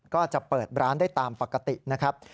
ก็จะเปิดร้านได้ตามปกตินะครับ